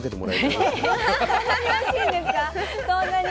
そんなに？